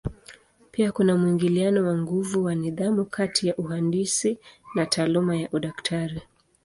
Pia kuna mwingiliano wa nguvu wa nidhamu kati ya uhandisi na taaluma ya udaktari.